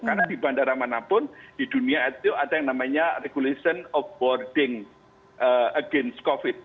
karena di bandara manapun di dunia itu ada yang namanya regulation of boarding against covid